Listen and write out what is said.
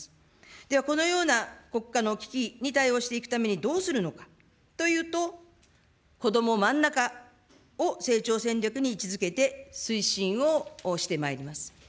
では、このような国家の危機に対応していくために、どうするのかというと、子ども真ん中を成長戦略に位置づけて、推進をしてまいります。